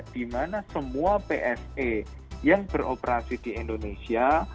dimana semua bse yang beroperasi di indonesia